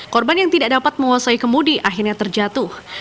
korban yang tidak dapat menguasai kemudi akhirnya terjatuh